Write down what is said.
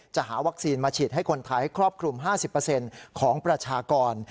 หาวัคซีนมาฉีดให้คนไทยให้ครอบคลุม๕๐ของประชากร